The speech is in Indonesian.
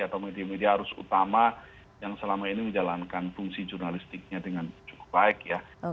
atau media media harus utama yang selama ini menjalankan fungsi jurnalistiknya dengan cukup baik ya